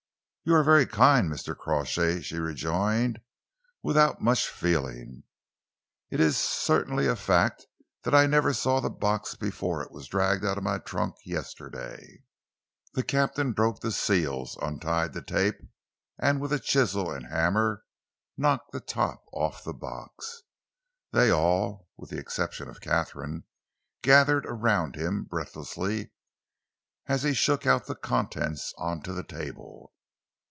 "You are very kind, Mr. Crawshay," she rejoined, without much feeling. "It is certainly a fact that I never saw the box before it was dragged out of my trunk yesterday." The captain broke the seals, untied the tape, and with a chisel and hammer knocked the top off the box. They all, with the exception of Katharine, gathered around him breathlessly as he shook out the contents on to the table.